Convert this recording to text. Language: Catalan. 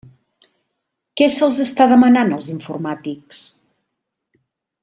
Què se'ls està demanant als informàtics?